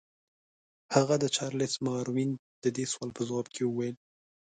هغه د چارلس ماروین د دې سوال په ځواب کې وویل.